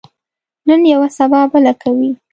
نن یوه، سبا بله کوي.